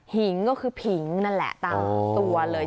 หินก็คือผิงนั่นแหละตามตัวเลย